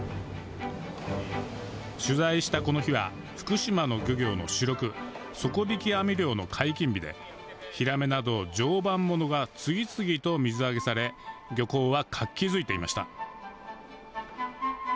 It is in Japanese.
取材した、この日は福島の漁業の主力底引き網漁の解禁日でヒラメなど常磐ものが次々と水揚げされ漁港は活気づいていました。